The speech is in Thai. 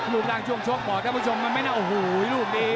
รูปร่างช่วงชกบอกท่านผู้ชมมันไม่น่าโอ้โหลูกนี้